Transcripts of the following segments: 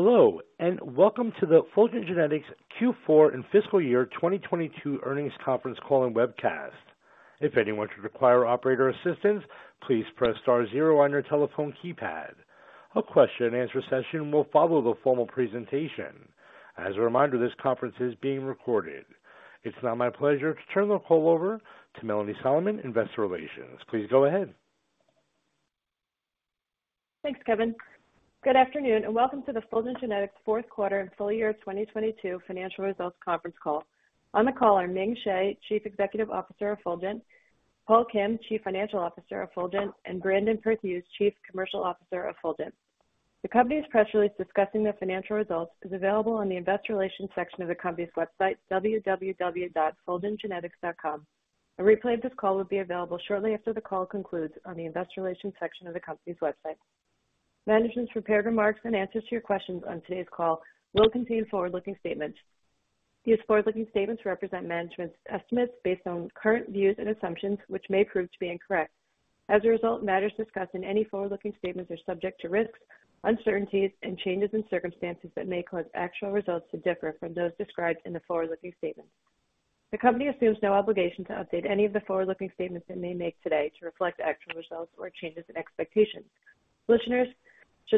Hello, welcome to the Fulgent Genetics Q4 and fiscal year 2022 earnings conference call and webcast. If anyone should require operator assistance, please press star zero on your telephone keypad. A question-and-answer session will follow the formal presentation. As a reminder, this conference is being recorded. It's now my pleasure to turn the call over to Melanie Solomon, Investor Relations. Please go ahead. Thanks, Kevin. Good afternoon, and welcome to the Fulgent Genetics fourth quarter and full year 2022 financial results conference call. On the call are Ming Hsieh, Chief Executive Officer of Fulgent, Paul Kim, Chief Financial Officer of Fulgent, and Brandon Perthuis, Chief Commercial Officer of Fulgent. The company's press release discussing their financial results is available on the investor relations section of the company's website www.fulgentgenetics.com. A replay of this call will be available shortly after the call concludes on the investor relations section of the company's website. Management's prepared remarks and answers to your questions on today's call will contain forward-looking statements. These forward-looking statements represent management's estimates based on current views and assumptions, which may prove to be incorrect. As a result, matters discussed in any forward-looking statements are subject to risks, uncertainties, and changes in circumstances that may cause actual results to differ from those described in the forward-looking statements. The company assumes no obligation to update any of the forward-looking statements it may make today to reflect actual results or changes in expectations. Listeners should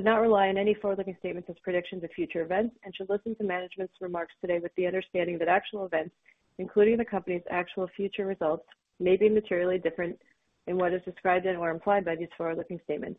not rely on any forward-looking statements as predictions of future events and should listen to management's remarks today with the understanding that actual events, including the company's actual future results, may be materially different in what is described in or implied by these forward-looking statements.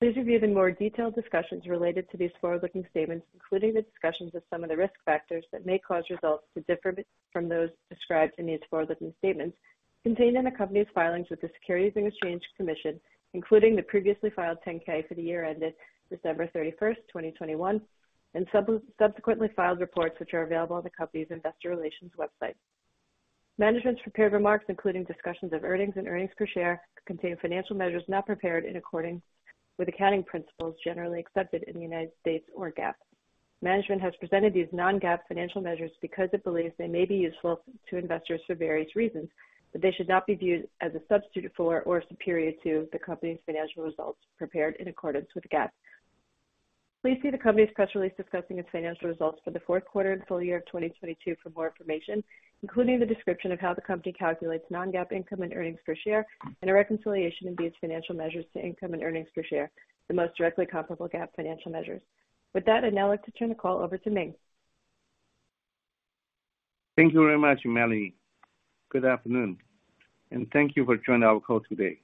Please review the more detailed discussions related to these forward-looking statements, including the discussions of some of the risk factors that may cause results to differ from those described in these forward-looking statements contained in the company's filings with the Securities and Exchange Commission, including the previously filed 10-K for the year ended December 31st, 2021, and subsequently filed reports which are available on the company's investor relations website. Management's prepared remarks, including discussions of earnings and earnings per share, contain financial measures not prepared in accordance with accounting principles generally accepted in the United States or GAAP. Management has presented these non-GAAP financial measures because it believes they may be useful to investors for various reasons. They should not be viewed as a substitute for or superior to the company's financial results prepared in accordance with GAAP. Please see the company's press release discussing its financial results for the fourth quarter and full year of 2022 for more information, including the description of how the company calculates non-GAAP income and earnings per share and a reconciliation of these financial measures to income and earnings per share, the most directly comparable GAAP financial measures. I'd now like to turn the call over to Ming. Thank you very much, Melanie. Good afternoon, thank you for joining our call today.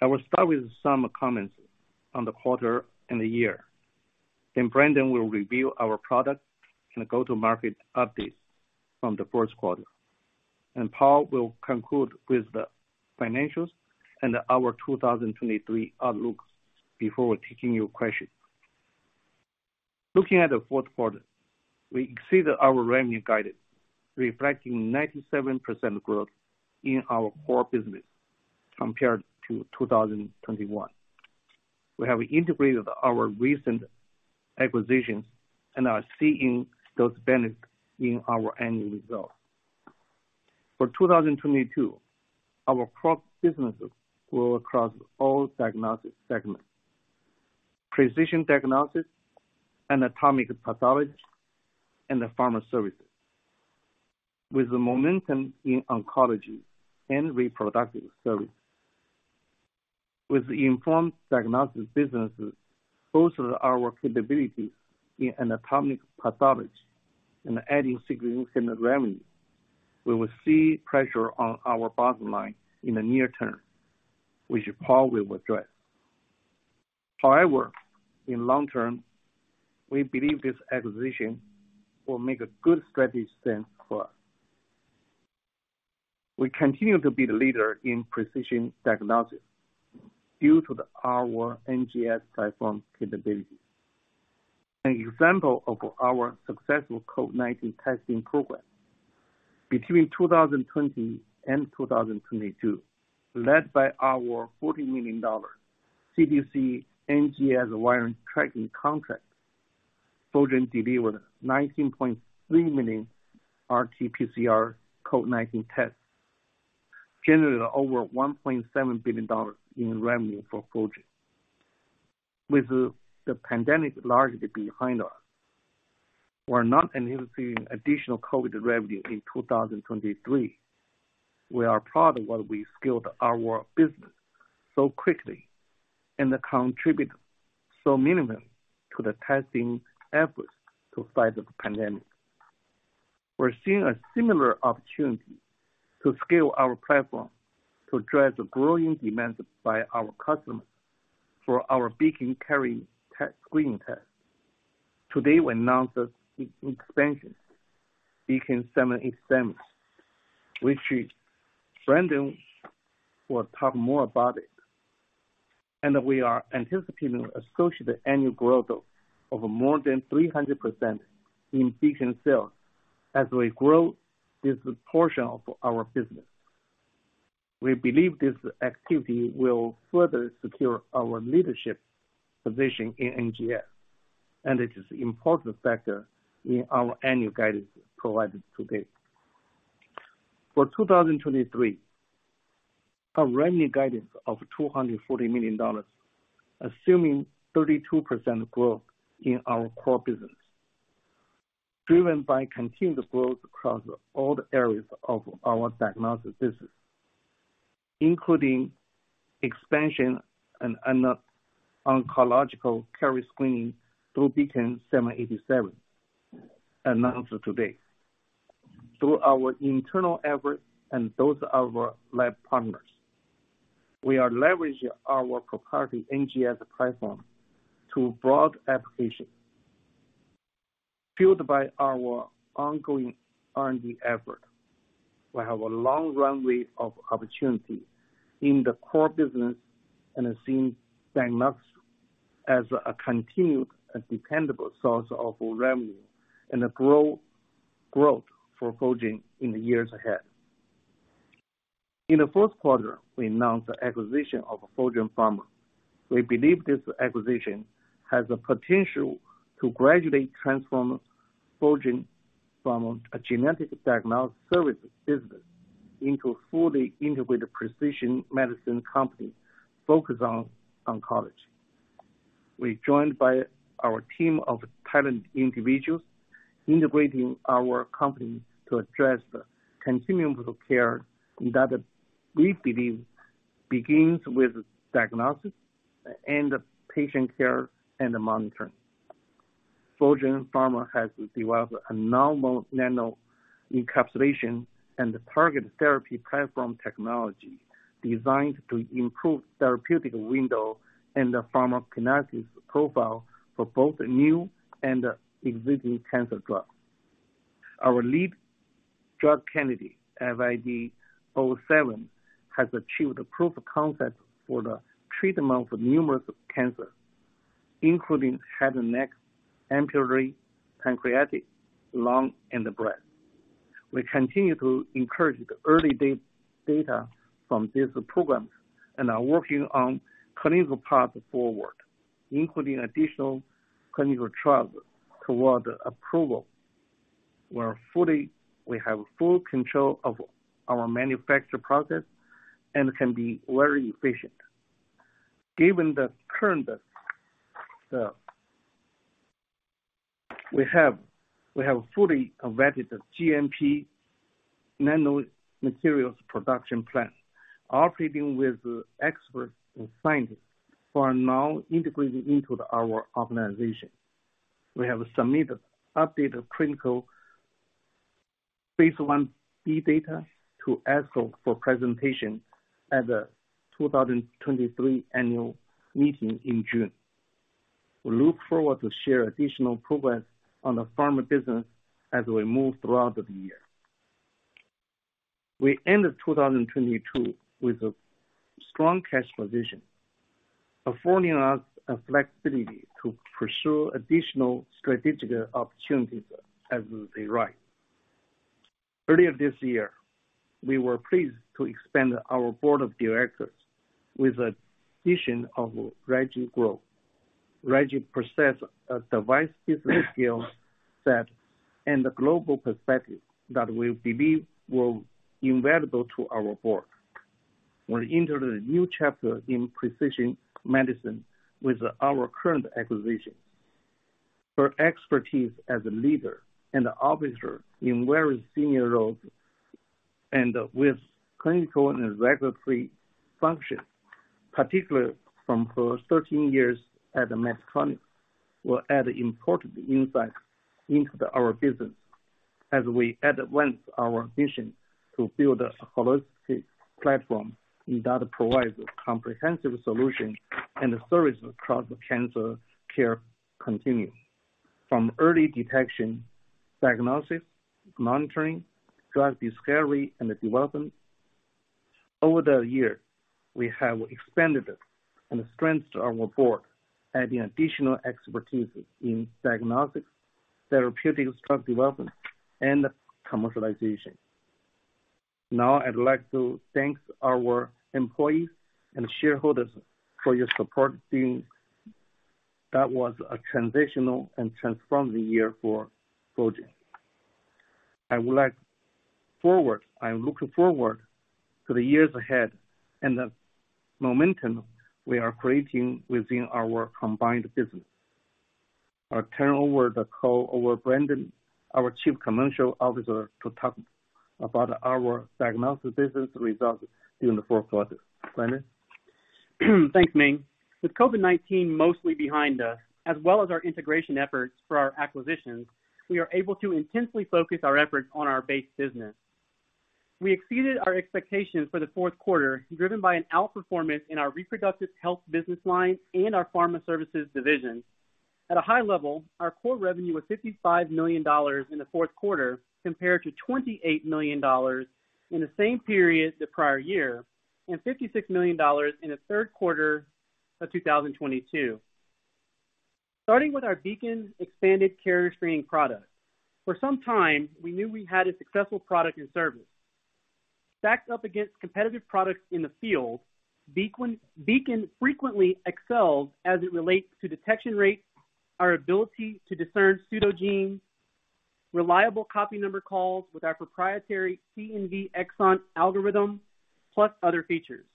I will start with some comments on the quarter and the year. Brandon will review our product and go-to-market updates from the fourth quarter. Paul will conclude with the financials and our 2023 outlook before taking your questions. Looking at the fourth quarter, we exceeded our revenue guidance, reflecting 97% growth in our core business compared to 2021. We have integrated our recent acquisitions and are seeing those benefits in our annual results. For 2022, our growth businesses grew across all diagnostic segments, precision diagnostics, anatomic pathology, and the pharma services. With the momentum in oncology and reproductive services. With the Inform Diagnostics businesses bolster our capabilities in anatomic pathology and adding significant revenue, we will see pressure on our bottom line in the near term, which Paul will address. In long term, we believe this acquisition will make a good strategic sense for us. We continue to be the leader in precision diagnostics due to our NGS platform capabilities. An example of our successful COVID-19 testing program. Between 2020 and 2022, led by our $40 million CDC NGS virus tracking contract, Fulgent delivered 19.3 million RT-PCR COVID-19 tests, generating over $1.7 billion in revenue for Fulgent. With the pandemic largely behind us, we're not anticipating additional COVID revenue in 2023. We are proud that we scaled our business so quickly and contributed so minimally to the testing efforts to fight the pandemic. We're seeing a similar opportunity to scale our platform to address the growing demands by our customers for our Beacon carrier screening test. Today, we announced the expansion, Beacon 787, which Brandon will talk more about it. We are anticipating associated annual growth of more than 300% in Beacon sales as we grow this portion of our business. We believe this activity will further secure our leadership position in NGS, and it is important factor in our annual guidance provided today. For 2023, our revenue guidance of $240 million, assuming 32% growth in our core business, driven by continued growth across all the areas of our diagnostic business, including expansion and oncological carrier screening through Beacon 787 announced today. Through our internal effort and those of our lab partners, we are leveraging our proprietary NGS platform to broad application. Fueled by our ongoing R&D effort, we have a long runway of opportunity in the core business and assume diagnostics as a continued and dependable source of revenue and growth for Fulgent in the years ahead. In the fourth quarter, we announced the acquisition of Fulgent Pharma. We believe this acquisition has the potential to gradually transform Fulgent from a genetic diagnostic service business into a fully integrated precision medicine company focused on oncology. We're joined by our team of talent individuals, integrating our company to address the continuum of care that we believe begins with diagnosis and patient care and monitoring. Fulgent Pharma has developed a normal nano encapsulation and target therapy platform technology designed to improve therapeutic window and the pharmacokinetics profile for both new and existing cancer drugs. Our lead drug candidate, FID-007, has achieved proof of concept for the treatment of numerous cancers, including head and neck, ampullary, pancreatic, lung, and brain. We continue to encourage the early data from these programs and are working on clinical path forward, including additional clinical trials toward approval. We have full control of our manufacture process and can be very efficient. Given the current, we have fully converted the GMP nano materials production plant, operating with experts and scientists who are now integrated into our organization. We have submitted updated clinical phase 1b data to ASCO for presentation at the 2023 annual meeting in June. We look forward to share additional progress on the Pharma business as we move throughout the year. We ended 2022 with a strong cash position, affording us a flexibility to pursue additional strategic opportunities as they arise. Earlier this year, we were pleased to expand our board of directors with addition of Reggie Groves. Reggie possess a device business skill set and a global perspective that we believe will invaluable to our board. We entered a new chapter in precision medicine with our current acquisition. Her expertise as a leader and officer in very senior roles and with clinical and regulatory functions, particularly from her 13 years at Medtronic, will add important insight into our business as we advance our mission to build a holistic platform that provides comprehensive solutions and services across the cancer care continuum. From early detection, diagnosis, monitoring, drug discovery, and development. Over the years, we have expanded and strengthened our board, adding additional expertise in diagnostics, therapeutics drug development, and commercialization. Now I'd like to thank our employees and shareholders for your support during that was a transitional and transforming year for Fulgent. I'm looking forward to the years ahead and the momentum we are creating within our combined business. I'll turn over the call over Brandon, our Chief Commercial Officer, to talk about our diagnostic business results during the fourth quarter. Brandon? Thanks, Ming. With COVID-19 mostly behind us, as well as our integration efforts for our acquisitions, we are able to intensely focus our efforts on our base business. We exceeded our expectations for the fourth quarter, driven by an outperformance in our reproductive health business line and our pharma services division. At a high level, our core revenue was $55 million in the fourth quarter, compared to $28 million in the same period the prior year, and $56 million in the third quarter of 2022. Starting with our Beacon expanded carrier screening product. For some time, we knew we had a successful product and service. Stacked up against competitive products in the field, Beacon frequently excels as it relates to detection rateOur ability to discern pseudogenes, reliable copy number calls with our proprietary CNVexon algorithm, plus other features.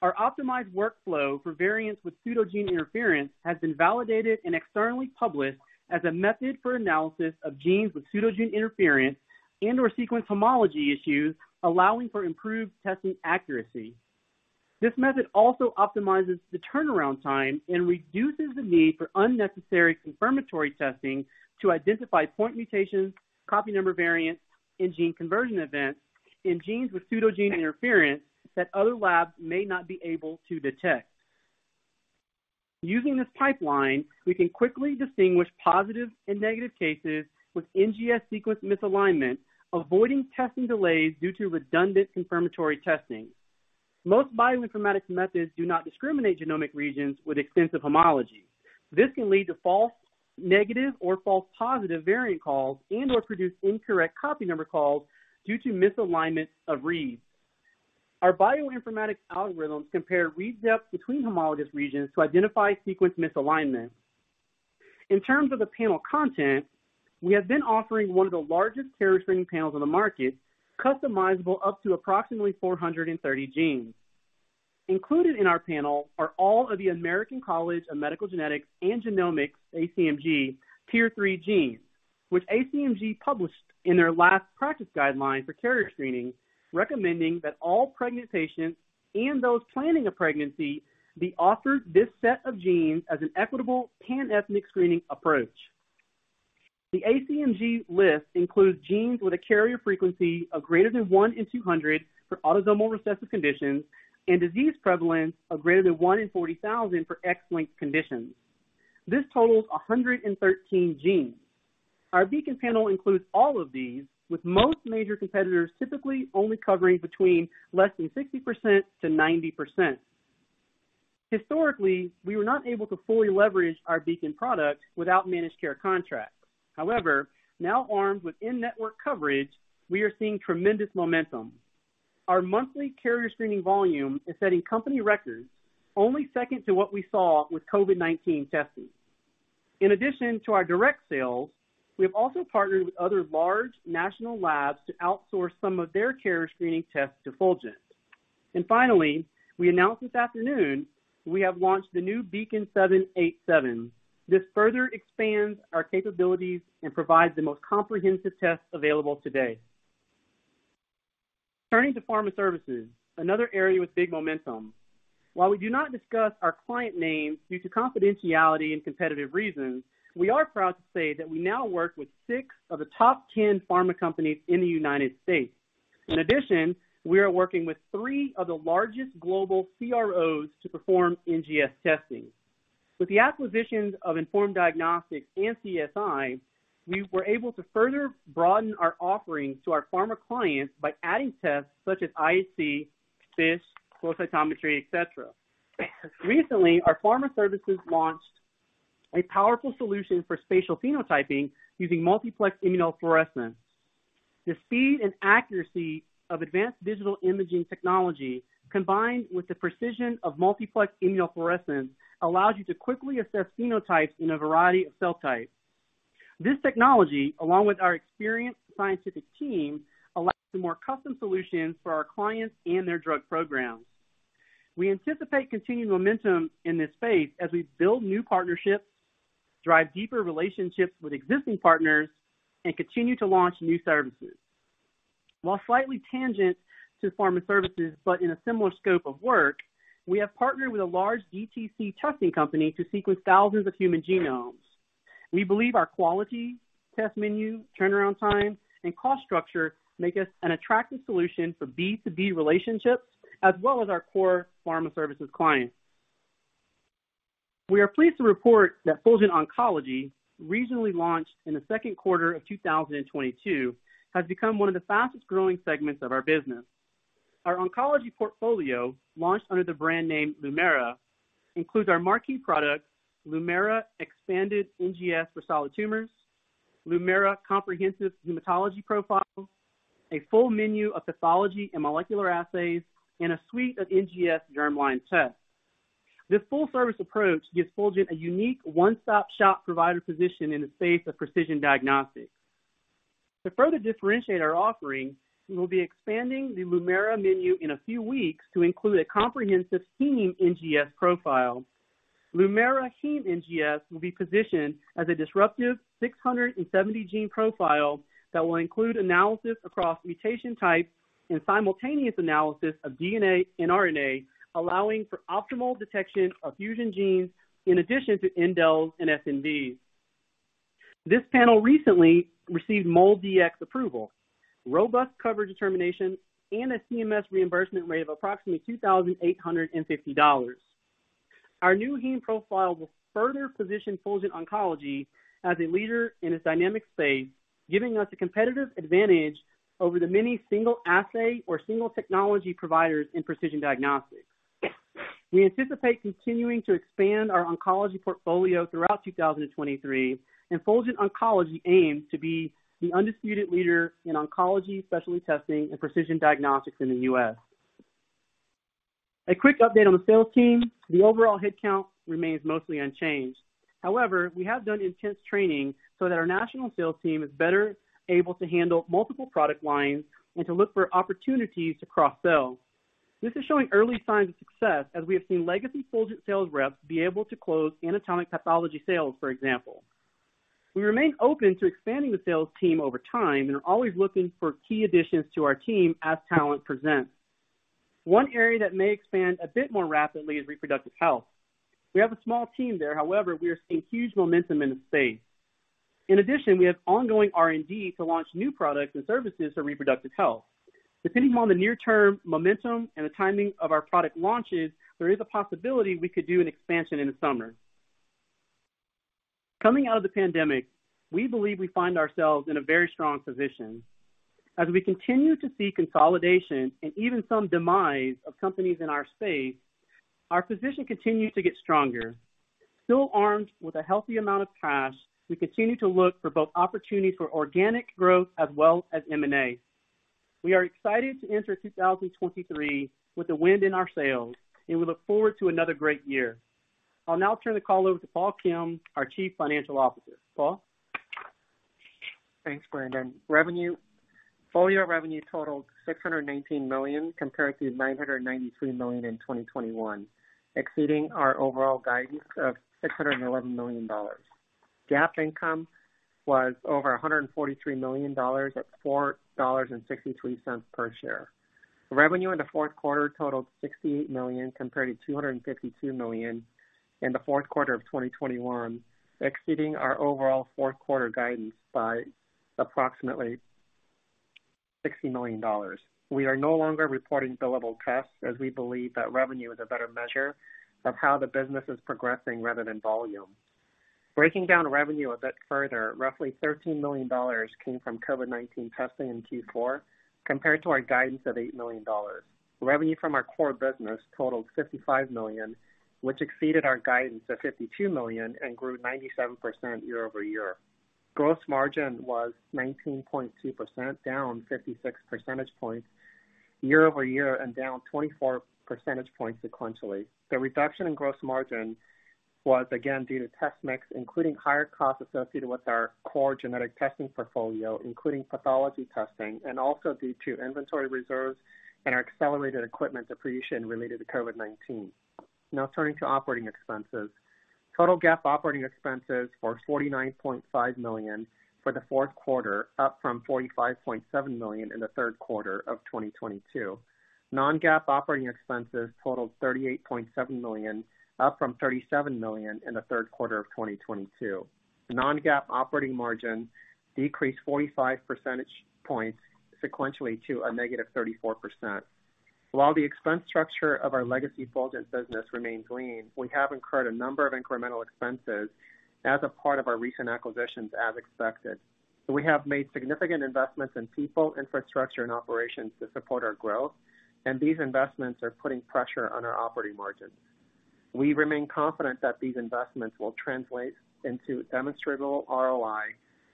Our optimized workflow for variants with pseudogene interference has been validated and externally published as a method for analysis of genes with pseudogene interference and/or sequence homology issues, allowing for improved testing accuracy. This method also optimizes the turnaround time and reduces the need for unnecessary confirmatory testing to identify point mutations, copy number variants, and gene conversion events in genes with pseudogene interference that other labs may not be able to detect. Using this pipeline, we can quickly distinguish positive and negative cases with NGS sequence misalignment, avoiding testing delays due to redundant confirmatory testing. Most bioinformatics methods do not discriminate genomic regions with extensive homology. This can lead to false negative or false positive variant calls and/or produce incorrect copy number calls due to misalignment of reads. Our bioinformatics algorithms compare read depth between homologous regions to identify sequence misalignment. In terms of the panel content, we have been offering one of the largest carrier screening panels on the market, customizable up to approximately 430 genes. Included in our panel are all of the American College of Medical Genetics and Genomics, ACMG, Tier three genes, which ACMG published in their last practice guideline for carrier screening, recommending that all pregnant patients and those planning a pregnancy be offered this set of genes as an equitable pan-ethnic screening approach. The ACMG list includes genes with a carrier frequency of greater than one in 200 for autosomal recessive conditions and disease prevalence of greater than one in 40,000 for X-linked conditions. This totals 113 genes. Our Beacon panel includes all of these, with most major competitors typically only covering between less than 60%-90%. Historically, we were not able to fully leverage our Beacon product without managed care contracts. However, now armed with in-network coverage, we are seeing tremendous momentum. Our monthly carrier screening volume is setting company records only second to what we saw with COVID-19 testing. In addition to our direct sales, we have also partnered with other large national labs to outsource some of their carrier screening tests to Fulgent. Finally, we announced this afternoon we have launched the new Beacon 787. This further expands our capabilities and provides the most comprehensive test available today. Turning to pharma services, another area with big momentum. While we do not discuss our client names due to confidentiality and competitive reasons, we are proud to say that we now work with two of the top 10 pharma companies in the United States. We are working with three of the largest global CROs to perform NGS testing. With the acquisitions of Inform Diagnostics and CSI, we were able to further broaden our offerings to our pharma clients by adding tests such as IHC, FISH, flow cytometry, et cetera. Recently, our pharma services launched a powerful solution for spatial phenotyping using multiplex immunofluorescence. The speed and accuracy of advanced digital imaging technology, combined with the precision of multiplex immunofluorescence, allows you to quickly assess phenotypes in a variety of cell types. This technology, along with our experienced scientific team, allows for more custom solutions for our clients and their drug programs. We anticipate continued momentum in this space as we build new partnerships, drive deeper relationships with existing partners, and continue to launch new services. While slightly tangent to pharma services, but in a similar scope of work, we have partnered with a large DTC testing company to sequence thousands of human genomes. We believe our quality, test menu, turnaround time, and cost structure make us an attractive solution for B2B relationships, as well as our core pharma services clients. We are pleased to report that Fulgent Oncology, regionally launched in the second quarter of 2022, has become one of the fastest-growing segments of our business. Our oncology portfolio, launched under the brand name Lumira, includes our marquee product, Lumira Expanded NGS for Solid Tumors, Lumira Comprehensive Hematology Profile, a full menu of pathology and molecular assays, and a suite of NGS germline tests. This full-service approach gives Fulgent a unique one-stop-shop provider position in the space of precision diagnostics. To further differentiate our offerings, we will be expanding the Lumira menu in a few weeks to include a comprehensive heme NGS profile. Lumira Heme NGS will be positioned as a disruptive 670 gene profile that will include analysis across mutation types and simultaneous analysis of DNA and RNA, allowing for optimal detection of fusion genes in addition to indels and SNVs. This panel recently received MolDX approval, robust coverage determination, and a CMS reimbursement rate of approximately $2,850. Our new heme profile will further position Fulgent Oncology as a leader in this dynamic space, giving us a competitive advantage over the many single assay or single technology providers in precision diagnostics. We anticipate continuing to expand our oncology portfolio throughout 2023. Fulgent Oncology aims to be the undisputed leader in oncology specialty testing and precision diagnostics in the U.S. A quick update on the sales team. The overall headcount remains mostly unchanged. However, we have done intense training so that our national sales team is better able to handle multiple product lines and to look for opportunities to cross-sell. This is showing early signs of success as we have seen legacy Fulgent sales reps be able to close anatomic pathology sales, for example. We remain open to expanding the sales team over time and are always looking for key additions to our team as talent presents. One area that may expand a bit more rapidly is reproductive health. We have a small team there, however, we are seeing huge momentum in the space. We have ongoing R&D to launch new products and services for reproductive health. Depending on the near-term momentum and the timing of our product launches, there is a possibility we could do an expansion in the summer. Coming out of the pandemic, we believe we find ourselves in a very strong position. We continue to see consolidation and even some demise of companies in our space, our position continues to get stronger. Still armed with a healthy amount of cash, we continue to look for both opportunities for organic growth as well as M&A. We are excited to enter 2023 with the wind in our sails, we look forward to another great year. I'll now turn the call over to Paul Kim, our Chief Financial Officer. Paul? Thanks, Brandon. Revenue full-year revenue totaled $619 million, compared to $993 million in 2021, exceeding our overall guidance of $611 million. GAAP income was over $143 million at $4.63 per share. Revenue in the fourth quarter totaled $68 million, compared to $252 million in the fourth quarter of 2021, exceeding our overall fourth quarter guidance by approximately $60 million. We are no longer reporting billable tests as we believe that revenue is a better measure of how the business is progressing rather than volume. Breaking down revenue a bit further, roughly $13 million came from COVID-19 testing in Q4 compared to our guidance of $8 million. Revenue from our core business totaled $55 million, which exceeded our guidance of $52 million and grew 97% year-over-year. Gross margin was 19.2%, down 56 percentage points year-over-year and down 24 percentage points sequentially. The reduction in gross margin was again due to test mix, including higher costs associated with our core genetic testing portfolio, including pathology testing and also due to inventory reserves and our accelerated equipment depreciation related to COVID-19. Turning to operating expenses. Total GAAP operating expenses were $49.5 million for the fourth quarter, up from $45.7 million in the third quarter of 2022. Non-GAAP operating expenses totaled $38.7 million, up from $37 million in the third quarter of 2022. Non-GAAP operating margin decreased 45 percentage points sequentially to a -34%. While the expense structure of our legacy Fulgent Genetics business remains lean, we have incurred a number of incremental expenses as a part of our recent acquisitions, as expected. We have made significant investments in people, infrastructure and operations to support our growth, and these investments are putting pressure on our operating margins. We remain confident that these investments will translate into demonstrable ROI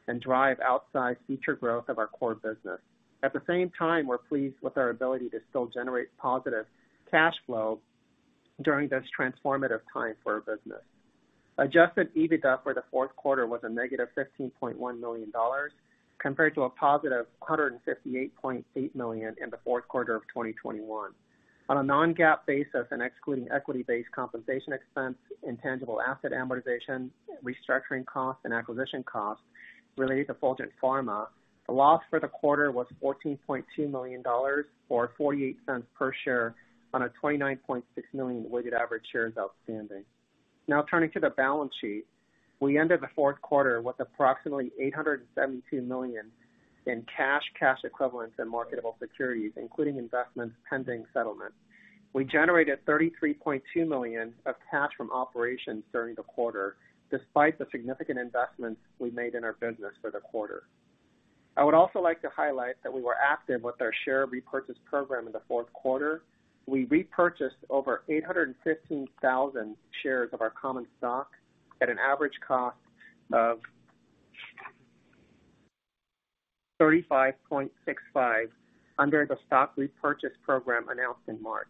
and drive outside future growth of our core business. At the same time, we're pleased with our ability to still generate positive cash flow during this transformative time for our business. Adjusted EBITDA for the fourth quarter was a -$15.1 million, compared to a positive $158.8 million in the fourth quarter of 2021. On a non-GAAP basis and excluding equity-based compensation expense, intangible asset amortization, restructuring costs, and acquisition costs related to Fulgent Pharma, the loss for the quarter was $14.2 million, or $0.48 per share on a 29.6 million weighted average shares outstanding. Turning to the balance sheet. We ended the fourth quarter with approximately $872 million in cash equivalents and marketable securities, including investments pending settlement. We generated $33.2 million of cash from operations during the quarter, despite the significant investments we made in our business for the quarter. I would also like to highlight that we were active with our share repurchase program in the fourth quarter. We repurchased over 815,000 shares of our common stock at an average cost of $35.65 under the stock repurchase program announced in March.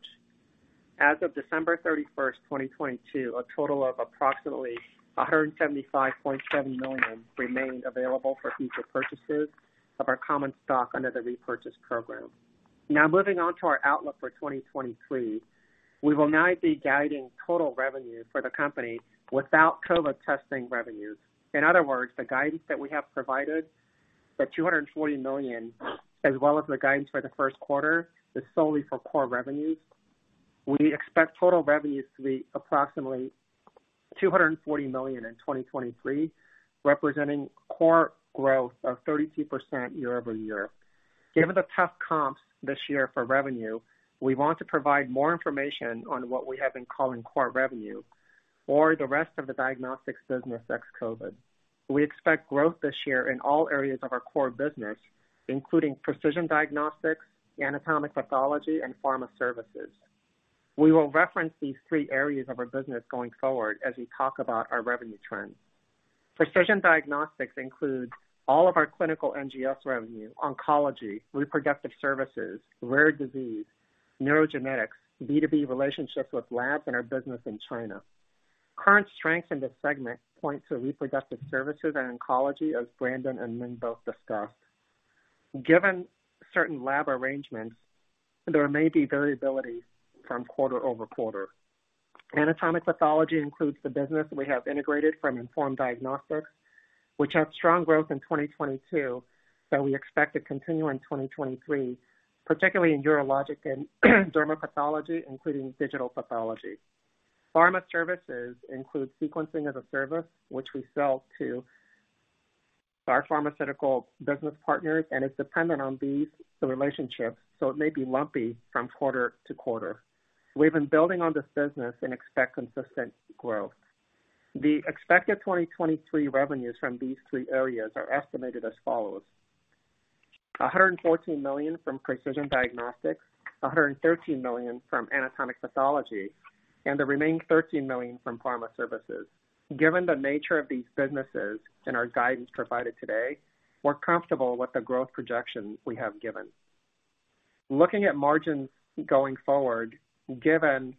As of December 31, 2022, a total of approximately $175.7 million remained available for future purchases of our common stock under the repurchase program. Now moving on to our outlook for 2023. We will now be guiding total revenue for the company without COVID testing revenues. In other words, the guidance that we have provided, the $240 million, as well as the guidance for the first quarter, is solely for core revenues. We expect total revenues to be approximately $240 million in 2023, representing core growth of 32% year-over-year. Given the tough comps this year for revenue, we want to provide more information on what we have been calling core revenue or the rest of the diagnostics business, ex COVID. We expect growth this year in all areas of our core business, including precision diagnostics, anatomic pathology, and pharma services. We will reference these three areas of our business going forward as we talk about our revenue trends. Precision diagnostics includes all of our clinical NGS revenue, oncology, reproductive services, rare disease, neurogenetics, B2B relationships with labs, and our business in China. Current strength in this segment points to reproductive services and oncology, as Brandon and Ming both discussed. Given certain lab arrangements, there may be variability from quarter-over-quarter. Anatomic pathology includes the business we have integrated from Inform Diagnostics, which had strong growth in 2022, that we expect to continue in 2023, particularly in urologic and dermatopathology, including digital pathology. Pharma services include sequencing as a service, which we sell to our pharmaceutical business partners, and it's dependent on these, the relationships, so it may be lumpy from quarter to quarter. We've been building on this business and expect consistent growth. The expected 2023 revenues from these three areas are estimated as follows: $114 million from precision diagnostics, $113 million from anatomic pathology, and the remaining $13 million from pharma services. Given the nature of these businesses and our guidance provided today, we're comfortable with the growth projections we have given. Looking at margins going forward, given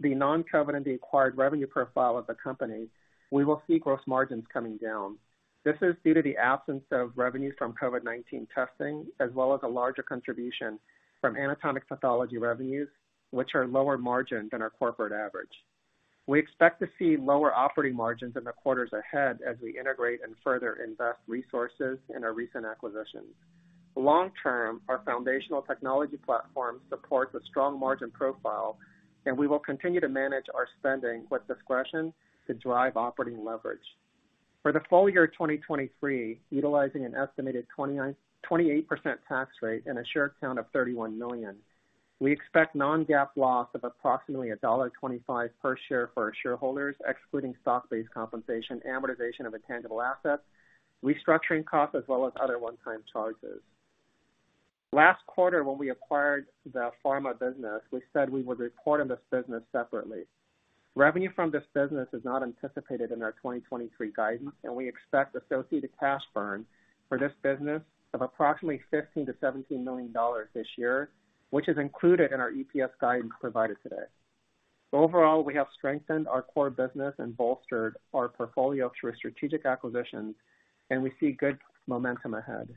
the non-COVID and the acquired revenue profile of the company, we will see gross margins coming down. This is due to the absence of revenues from COVID-19 testing, as well as a larger contribution from anatomic pathology revenues, which are lower margin than our corporate average. We expect to see lower operating margins in the quarters ahead as we integrate and further invest resources in our recent acquisitions. Long term, our foundational technology platform supports a strong margin profile and we will continue to manage our spending with discretion to drive operating leverage. For the full year of 2023, utilizing an estimated 28% tax rate and a share count of 31 million, we expect non-GAAP loss of approximately $1.25 per share for our shareholders, excluding stock-based compensation, amortization of a tangible asset, restructuring costs, as well as other one-time charges. Last quarter, when we acquired the pharma business, we said we would report on this business separately. Revenue from this business is not anticipated in our 2023 guidance, We expect associated cash burn for this business of approximately $15 million-$17 million this year, which is included in our EPS guidance provided today. Overall, we have strengthened our core business and bolstered our portfolio through strategic acquisitions, We see good momentum ahead.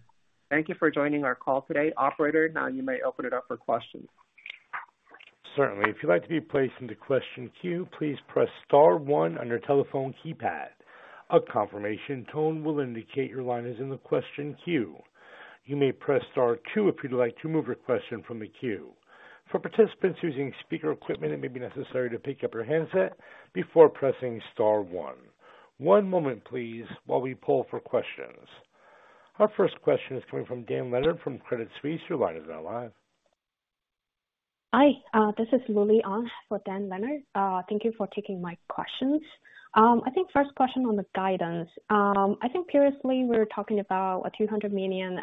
Thank you for joining our call today. Operator, now you may open it up for questions. Certainly. If you'd like to be placed into question queue, please press star one on your telephone keypad. A confirmation tone will indicate your line is in the question queue. You may press star two if you'd like to remove your question from the queue. For participants using speaker equipment, it may be necessary to pick up your handset before pressing star one. One moment please, while we poll for questions. Our first question is coming from Dan Leonard from Credit Suisse through line is now live. Hi, this is Lily Ang for Dan Leonard. Thank you for taking my questions. I think first question on the guidance. I think previously we were talking about a $200 million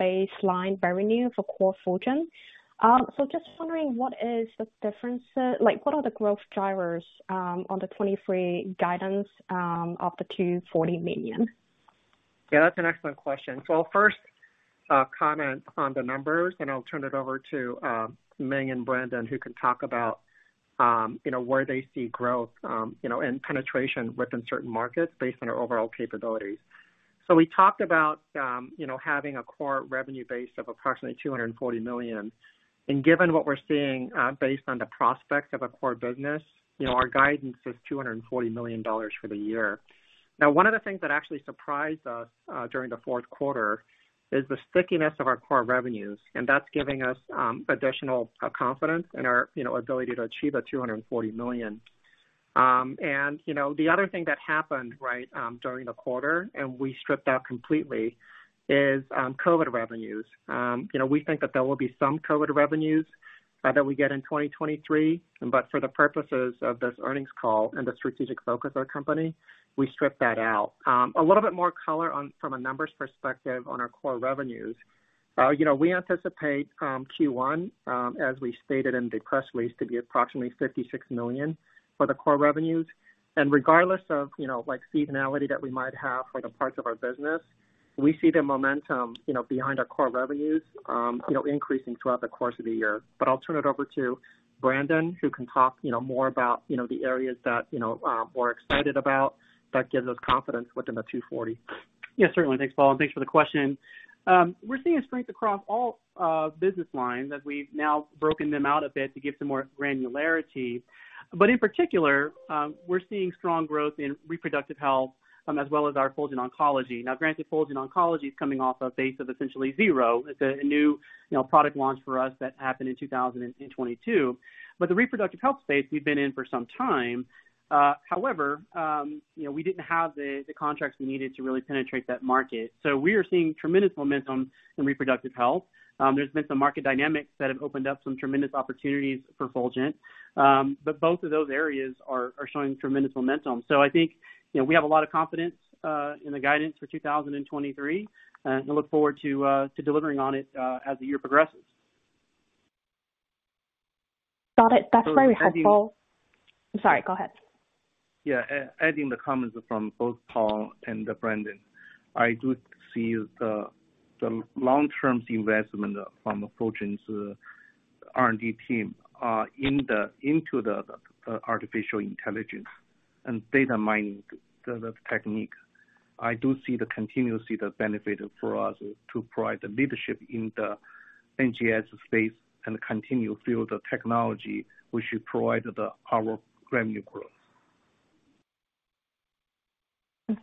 baseline revenue for core Fulgent. Just wondering, like, what are the growth drivers on the 2023 guidance of the $240 million? That's an excellent question. I'll first comment on the numbers, then I'll turn it over to Ming and Brandon, who can talk about, you know, where they see growth, you know, and penetration within certain markets based on our overall capabilities. We talked about, you know, having a core revenue base of approximately $240 million. Given what we're seeing, based on the prospects of a core business, you know, our guidance is $240 million for the year. One of the things that actually surprised us during the fourth quarter is the stickiness of our core revenues, and that's giving us additional confidence in our you know ability to achieve the $240 million. You know, the other thing that happened, right, during the quarter, we stripped out completely, is COVID revenues. You know, we think that there will be some COVID revenues that we get in 2023, but for the purposes of this earnings call and the strategic focus of our company, we strip that out. A little bit more color from a numbers perspective on our core revenues. You know, we anticipate Q1, as we stated in the press release, to be approximately $56 million for the core revenues. Regardless of, you know, like, seasonality that we might have for the parts of our business, we see the momentum, you know, behind our core revenues, you know, increasing throughout the course of the year. I'll turn it over to Brandon, who can talk, you know, more about, you know, the areas that, you know, we're excited about that gives us confidence within the 240. Yeah, certainly. Thanks, Paul, and thanks for the question. We're seeing strength across all business lines as we've now broken them out a bit to give some more granularity. In particular, we're seeing strong growth in reproductive health as well as our Fulgent Oncology. Now granted, Fulgent Oncology is coming off a base of essentially zero. It's a new, you know, product launch for us that happened in 2022. The reproductive health space we've been in for some time. However, you know, we didn't have the contracts we needed to really penetrate that market. We are seeing tremendous momentum in reproductive health. There's been some market dynamics that have opened up some tremendous opportunities for Fulgent. Both of those areas are showing tremendous momentum. I think, you know, we have a lot of confidence in the guidance for 2023, and look forward to delivering on it as the year progresses. Got it. That's very helpful. I'm sorry. Go ahead. Yeah. adding the comments from both Paul and Brandon Perthuis, I do see the long-term investment from Fulgent's R&D team into the artificial intelligence and data mining the technique. I do see the continuously the benefit for us to provide the leadership in the NGS space and continue to build the technology which will provide our revenue growth.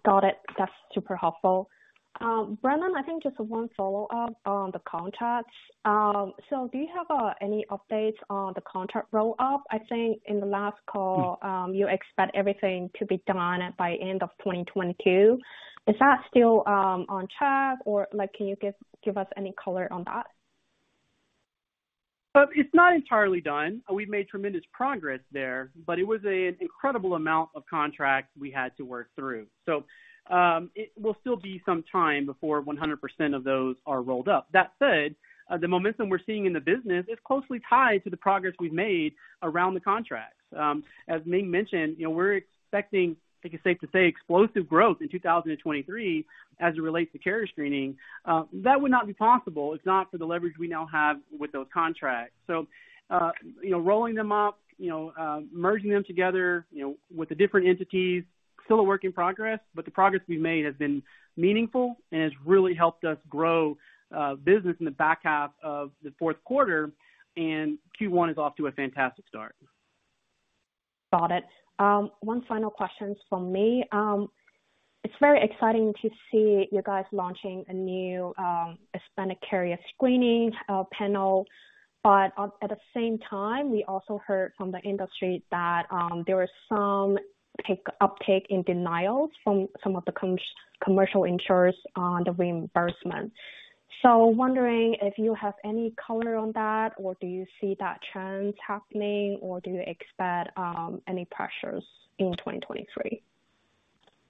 Got it. That's super helpful. Brandon, I think just one follow-up on the contracts. Do you have any updates on the contract roll-up? I think in the last call, you expect everything to be done by end of 2022. Is that still on track or, like, can you give us any color on that? It's not entirely done. We've made tremendous progress there, but it was an incredible amount of contracts we had to work through. It will still be some time before 100% of those are rolled up. That said, the momentum we're seeing in the business is closely tied to the progress we've made around the contracts. As Ming mentioned, you know, we're expecting, I think it's safe to say, explosive growth in 2023 as it relates to carrier screening. That would not be possible if not for the leverage we now have with those contracts. You know, rolling them up, you know, merging them together, you know, with the different entities, still a work in progress, but the progress we've made has been meaningful and has really helped us grow, business in the back half of the fourth quarter, and Q1 is off to a fantastic start. Got it. One final question from me. It's very exciting to see you guys launching a new, expanded carrier screening panel. At the same time, we also heard from the industry that there was some uptick in denials from some of the commercial insurers on the reimbursement. Wondering if you have any color on that, or do you see that trend happening, or do you expect any pressures in 2023?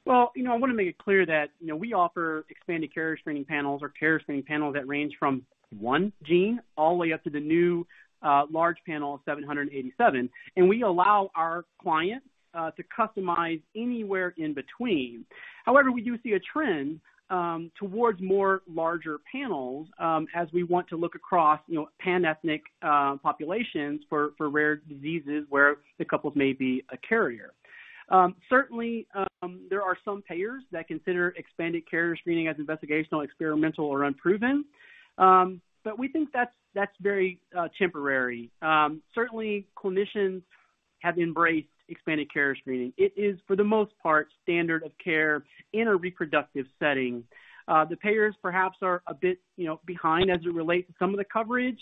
Well, you know, I wanna make it clear that, you know, we offer expanded carrier screening panels or carrier screening panels that range from one gene all the way up to the new, large panel of 787. And we allow our clients to customize anywhere in between. However, we do see a trend towards more larger panels as we want to look across, you know, pan-ethnic populations for rare diseases where the couples may be a carrier. Certainly, there are some payers that consider expanded carrier screening as investigational, experimental or unproven. But we think that's very temporary. Certainly clinicians have embraced expanded carrier screening. It is, for the most part, standard of care in a reproductive setting. The payers perhaps are a bit, you know, behind as it relates to some of the coverage.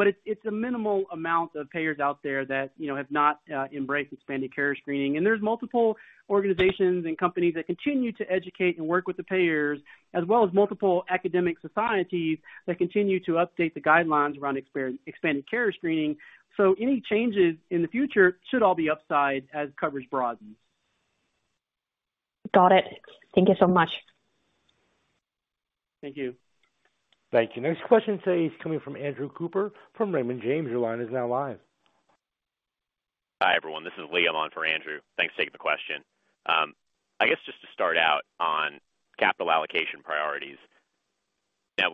It's a minimal amount of payers out there that, you know, have not embraced expanded carrier screening. There's multiple organizations and companies that continue to educate and work with the payers, as well as multiple academic societies that continue to update the guidelines around expanded carrier screening. Any changes in the future should all be upside as coverage broadens. Got it. Thank you so much. Thank you. Thank you. Next question today is coming from Andrew Cooper from Raymond James. Your line is now live. Hi, everyone. This is Liam on for Andrew. Thanks for taking the question. I guess just to start out on capital allocation priorities.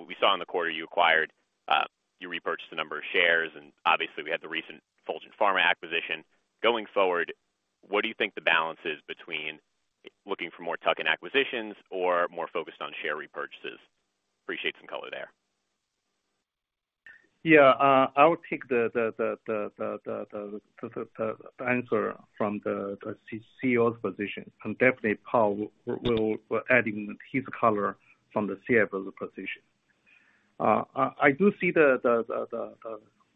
We saw in the quarter you acquired, you repurchased a number of shares, and obviously we had the recent Fulgent Pharma acquisition. Going forward, what do you think the balance is between looking for more tuck-in acquisitions or more focused on share repurchases? Appreciate some color there. Yeah. I will take the answer from the CEO's position, and definitely Paul will adding his color from the CFO position. I do see the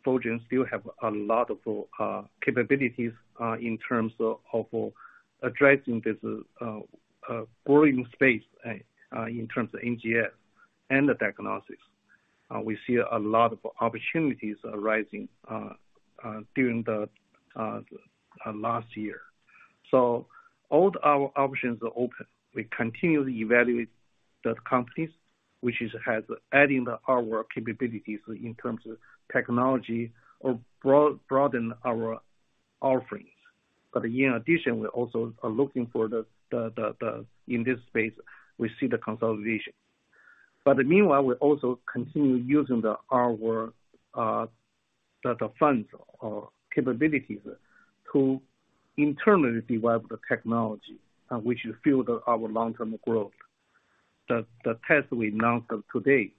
Fulgent still have a lot of capabilities in terms of addressing this growing space in terms of NGS and the diagnostics. We see a lot of opportunities arising during the last year. All our options are open. We continue to evaluate the companies which is has adding our capabilities in terms of technology or broaden our offerings. In addition, we also are looking for the in this space, we see the consolidation. Meanwhile, we also continue using our the funds or capabilities to internally develop the technology, which will fuel our long-term growth. The test we announced today,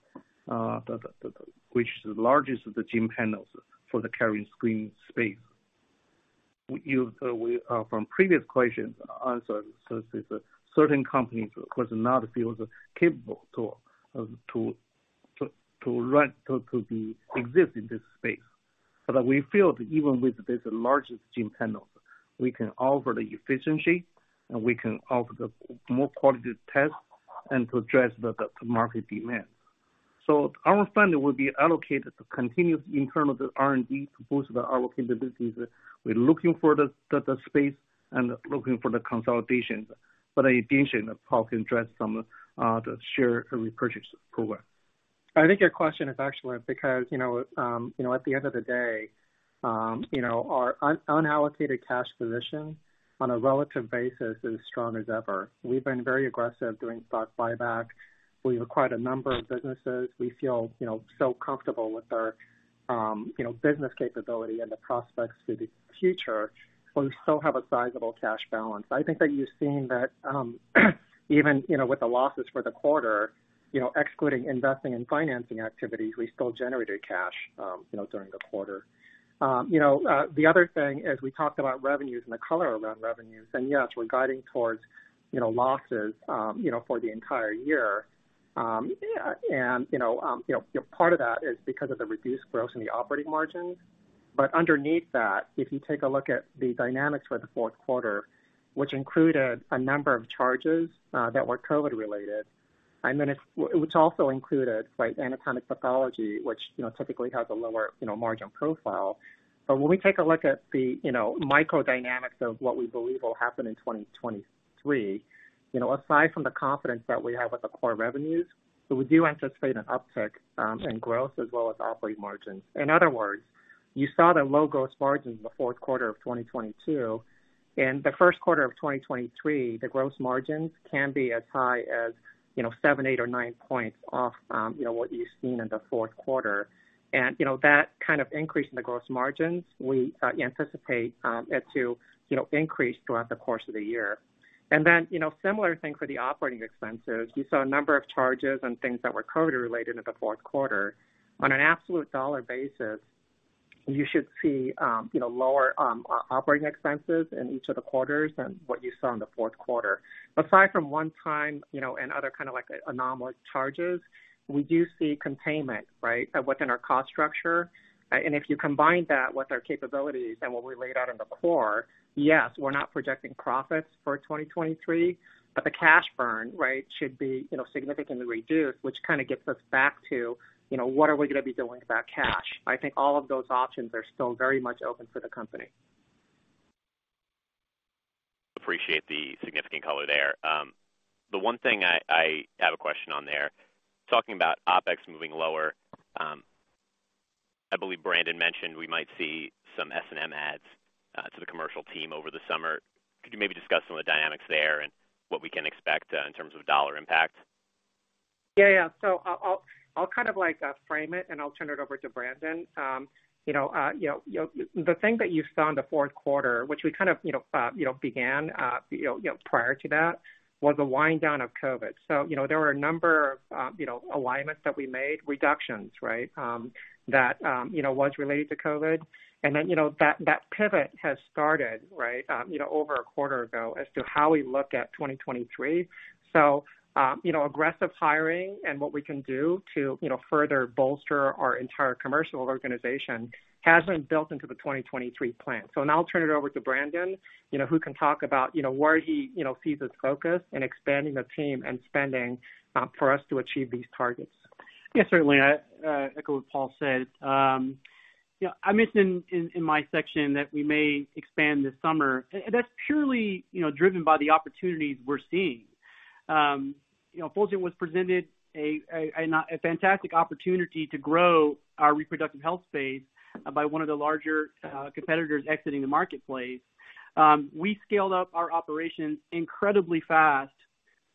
which is the largest of the gene panels for the carrier screening space. We from previous questions answered, so certain companies are not feel capable to exist in this space. We feel even with this largest gene panel, we can offer the efficiency and we can offer the more quality tests and to address the market demand. Our funding will be allocated to continuous internal R&D to boost our capabilities. We're looking for the space and looking for the consolidations. Again, Paul can address some the share repurchase program. I think your question is excellent because, you know, you know, at the end of the day, you know, our unallocated cash position on a relative basis is as strong as ever. We've been very aggressive doing stock buyback. We've acquired a number of businesses. We feel, you know, so comfortable with our, you know, business capability and the prospects for the future. We still have a sizable cash balance. I think that you've seen that, even, you know, with the losses for the quarter, you know, excluding investing in financing activities, we still generated cash, you know, during the quarter. The other thing is we talked about revenues and the color around revenues. Yes, we're guiding towards, you know, losses, you know, for the entire year. Yeah, you know, you know, part of that is because of the reduced gross in the operating margins. Underneath that, if you take a look at the dynamics for the fourth quarter, which included a number of charges, that were COVID-related, and then which also included, right, anatomic pathology, which, you know, typically has a lower, you know, margin profile. When we take a look at the, you know, microdynamics of what we believe will happen in 2023, you know, aside from the confidence that we have with the core revenues, we do anticipate an uptick in growth as well as operating margins. In other words, you saw the low gross margins in the fourth quarter of 2022. In the first quarter of 2023, the gross margins can be as high as, you know, 7, 8 or 9 points off, you know, what you've seen in the fourth quarter. You know, that kind of increase in the gross margins, we anticipate it to, you know, increase throughout the course of the year. You know, similar thing for the operating expenses. You saw a number of charges and things that were COVID-related in the fourth quarter. On an absolute dollar basis, you should see, you know, lower operating expenses in each of the quarters than what you saw in the fourth quarter. Aside from one time, you know, and other kind of like anomalous charges, we do see containment, right, within our cost structure. If you combine that with our capabilities and what we laid out in the core, yes, we're not projecting profits for 2023, but the cash burn, right, should be, you know, significantly reduced, which kind of gets us back to, you know, what are we gonna be doing with that cash? I think all of those options are still very much open for the company. Appreciate the significant color there. The one thing I have a question on there, talking about OpEx moving lower. I believe Brandon mentioned we might see some S&M adds to the commercial team over the summer. Could you maybe discuss some of the dynamics there and what we can expect in terms of dollar impact? Yeah. Yeah. I'll kind of like frame it and I'll turn it over to Brandon. you know, you know, the thing that you saw in the fourth quarter, which we kind of, you know, began, you know, prior to that, was a wind down of COVID. you know, there were a number of, you know, alignments that we made, reductions, right, that, you know, was related to COVID. you know, that pivot has started, right, you know, over a quarter ago as to how we look at 2023. you know, aggressive hiring and what we can do to, you know, further bolster our entire commercial organization has been built into the 2023 plan. Now I'll turn it over to Brandon, you know, who can talk about, you know, where he, you know, sees his focus in expanding the team and spending for us to achieve these targets. Yeah, certainly. I echo what Paul said. You know, I mentioned in my section that we may expand this summer. That's purely, you know, driven by the opportunities we're seeing. You know, Fulgent was presented a fantastic opportunity to grow our reproductive health space by one of the larger competitors exiting the marketplace. We scaled up our operations incredibly fast,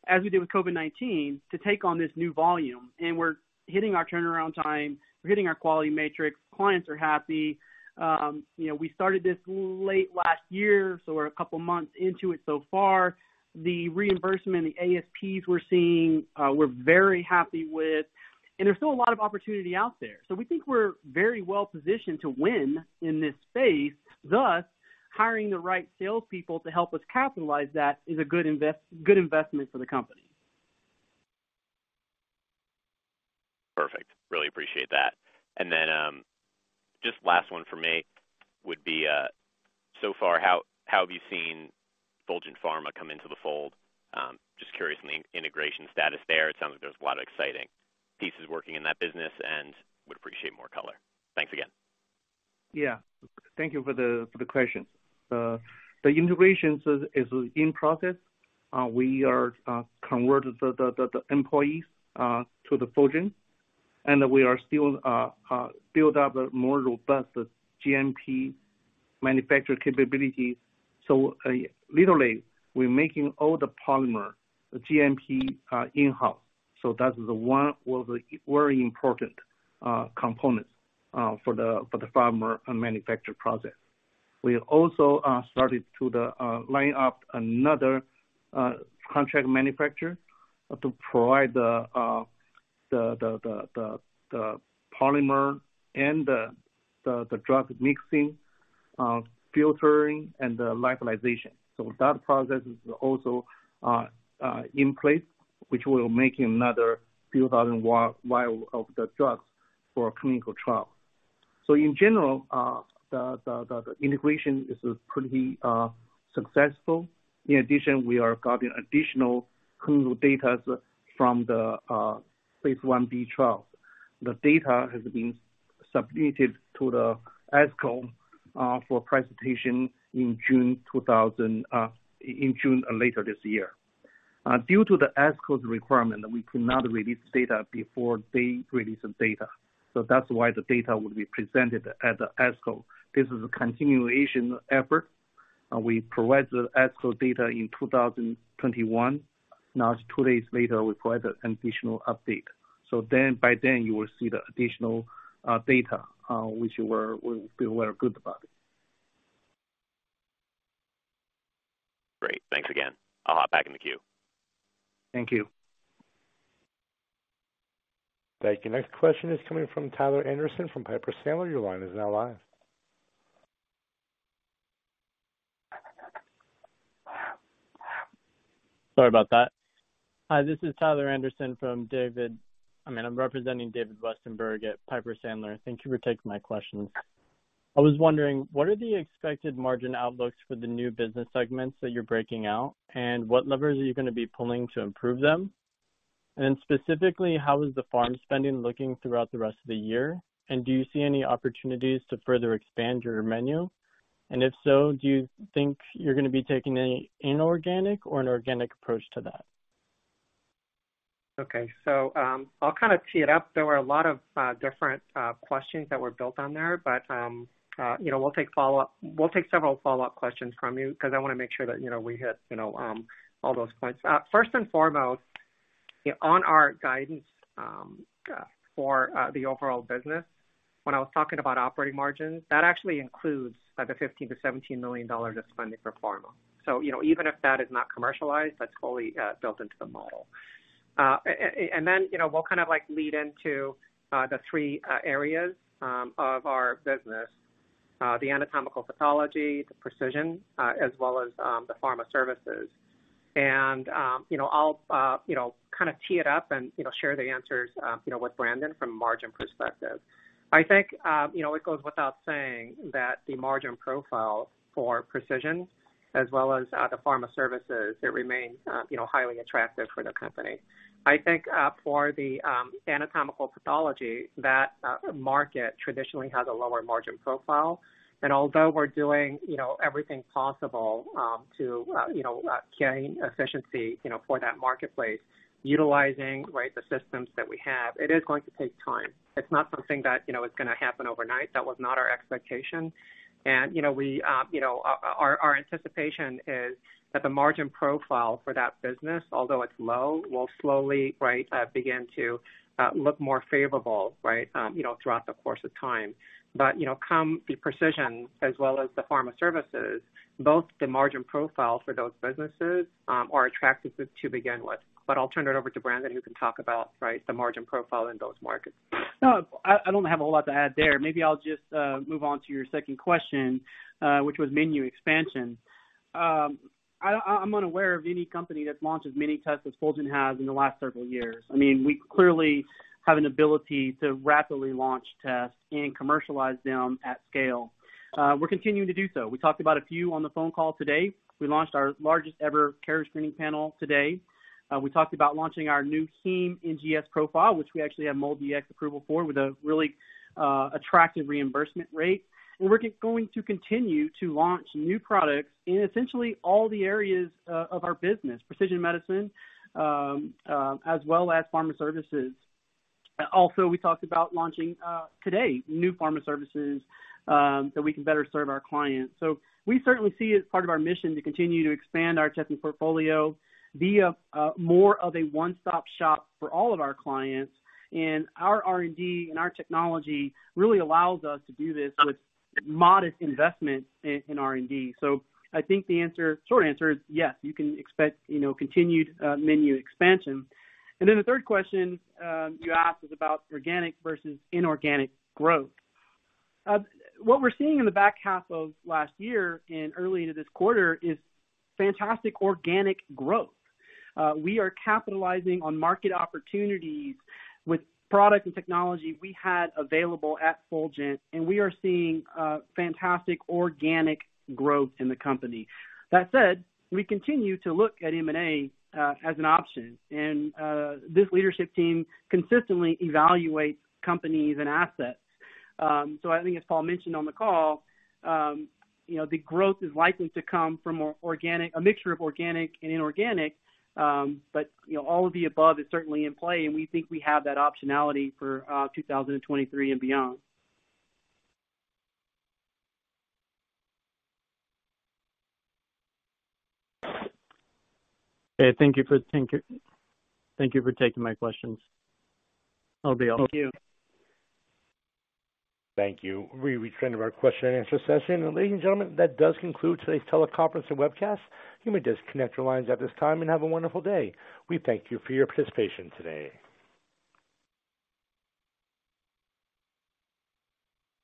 as we did with COVID-19, to take on this new volume, and we're hitting our turnaround time, we're hitting our quality metrics. Clients are happy. You know, we started this late last year, so we're a couple of months into it so far. The reimbursement and the ASPs we're seeing, we're very happy with, and there's still a lot of opportunity out there. We think we're very well positioned to win in this space, thus hiring the right salespeople to help us capitalize that is a good investment for the company. Perfect. Really appreciate that. Just last one for me would be, how have you seen Fulgent Pharma come into the fold? Just curious on the integration status there. It sounds like there's a lot of exciting pieces working in that business and would appreciate more color. Thanks again. Yeah. Thank you for the question. The integration is in process. We are convert the employees to the Fulgent, and we are still build up a more robust GMP manufacture capability. literally, we're making all the polymer GMP in-house. That is the one of the very important components for the pharma manufacture process. We also started to line up another contract manufacturer to provide the polymer and the drug mixing, filtering and the lyophilization. That process is also in place, which will make another few thousand vials of the drugs for clinical trial. In general, the integration is pretty successful. In addition, we are getting additional clinical data from the phase 1b trial. Submitted to the ASCO for presentation in June later this year. Due to the ASCO's requirement that we could not release data before they release the data. That's why the data will be presented at the ASCO. This is a continuation effort. We provide the ASCO data in 2021. It's two days later, we provide an additional update. By then you will see the additional data, which you will feel very good about it. Great. Thanks again. I'll hop back in the queue. Thank you. Thank you. Next question is coming from Tyler Anderson from Piper Sandler. Your line is now live. Sorry about that. Hi, this is Tyler Anderson from David... I mean, I'm representing David Westenberg at Piper Sandler. Thank you for taking my questions. I was wondering, what are the expected margin outlooks for the new business segments that you're breaking out, and what levers are you gonna be pulling to improve them? Specifically, how is the pharma spending looking throughout the rest of the year, and do you see any opportunities to further expand your menu? If so, do you think you're gonna be taking any inorganic or an organic approach to that? Okay. I'll kind of tee it up. There were a lot of different questions that were built on there, but, you know, we'll take several follow-up questions from you because I wanna make sure that, you know, we hit, you know, all those points. First and foremost, on our guidance, for the overall business, when I was talking about operating margins, that actually includes the $15 million-$17 million of spending for Pharma. You know, even if that is not commercialized, that's fully built into the model. Then, you know, we'll kind of like lead into the three areas of our business, the anatomical pathology, the precision, as well as the Pharma services. You know, I'll, you know, kind of tee it up and, you know, share the answers, you know, with Brandon from a margin perspective. I think, you know, it goes without saying that the margin profile for precision as well as, the pharma services, it remains, you know, highly attractive for the company. I think, for the, anatomical pathology, that, market traditionally has a lower margin profile. Although we're doing, you know, everything possible, to, you know, gain efficiency, you know, for that marketplace, utilizing, right, the systems that we have, it is going to take time. It's not something that, you know, is gonna happen overnight. That was not our expectation. You know, we, you know, our anticipation is that the margin profile for that business, although it's low, will slowly, right, begin to look more favorable, right, you know, throughout the course of time. You know, come the precision as well as the pharma services, both the margin profile for those businesses are attractive to begin with. I'll turn it over to Brandon, who can talk about, right, the margin profile in those markets. No, I don't have a whole lot to add there. Maybe I'll just move on to your second question, which was menu expansion. I'm unaware of any company that's launched as many tests as Fulgent has in the last several years. I mean, we clearly have an ability to rapidly launch tests and commercialize them at scale. We're continuing to do so. We talked about a few on the phone call today. We launched our largest ever carrier screening panel today. We talked about launching our new Heme NGS profile, which we actually have MolDX approval for with a really attractive reimbursement rate. We're going to continue to launch new products in essentially all the areas of our business, precision medicine, as well as pharma services. Also, we talked about launching today, new pharma services, so we can better serve our clients. We certainly see it as part of our mission to continue to expand our testing portfolio, be a more of a one-stop shop for all of our clients. Our R&D and our technology really allows us to do this with modest investment in R&D. I think the answer short answer is yes, you can expect, you know, continued menu expansion. The third question, you asked was about organic versus inorganic growth. What we're seeing in the back half of last year and early into this quarter is fantastic organic growth. We are capitalizing on market opportunities with products and technology we had available at Fulgent, and we are seeing fantastic organic growth in the company. That said, we continue to look at M&A as an option. This leadership team consistently evaluates companies and assets. I think as Paul mentioned on the call, you know, the growth is likely to come from a mixture of organic and inorganic. You know, all of the above is certainly in play, and we think we have that optionality for 2023 and beyond. Okay. Thank you for taking my questions. That'll be all. Thank you. Thank you. We've reached the end of our question and answer session. Ladies and gentlemen, that does conclude today's teleconference and webcast. You may disconnect your lines at this time and have a wonderful day. We thank you for your participation today.